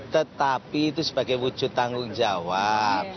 tetapi itu sebagai wujud tanggung jawab